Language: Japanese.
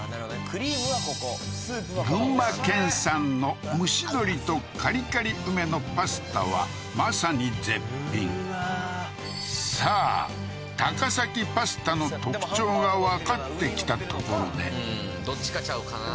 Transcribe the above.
クリームはここ群馬県産の蒸し鶏とカリカリ梅のパスタはまさに絶品うわーさあ高崎パスタの特徴がわかってきたところでどっちかちゃうかな？